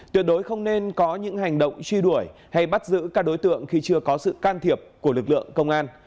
tuyệt đối không nên có những hành động truy đuổi hay bắt giữ các đối tượng khi chưa có sự can thiệp của lực lượng công an